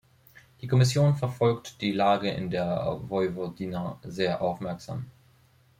Die Kommission verfolgt die Lage in der Vojvodina sehr aufmerksam.